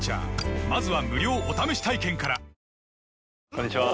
こんにちは。